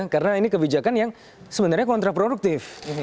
karena ini kebijakan yang sebenarnya kontraproduktif